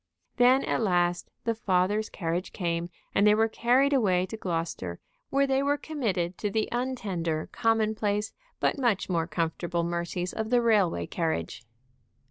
Then at last the father's carriage came, and they were carried away to Gloucester, where they were committed to the untender, commonplace, but much more comfortable mercies of the railway carriage.